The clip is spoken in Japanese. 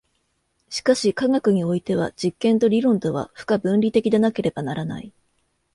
しかし科学においては実験と理論とは不可分離的でなければならない。